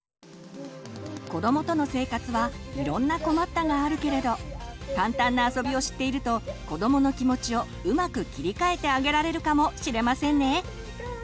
子どもとの生活はいろんな困ったがあるけれど簡単なあそびを知っていると子どもの気持ちをうまく切り替えてあげられるかもしれませんね！